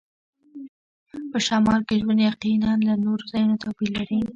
په شمال کې ژوند یقیناً له نورو ځایونو توپیر لري